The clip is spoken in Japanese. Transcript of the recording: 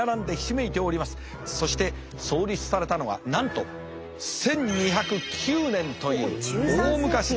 そして創立されたのはなんと１２０９年という大昔です。